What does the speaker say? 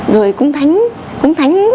rồi cúng thánh